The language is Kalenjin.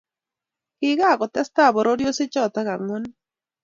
Kikakotestai pororiosiechoto angwanu